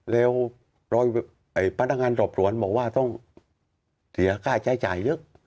แล้วพนักงานสอบสวนบอกว่าต้องเสียค่าใช้จ่ายเยอะ